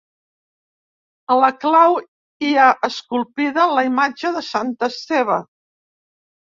A la clau hi ha esculpida la imatge de Sant Esteve.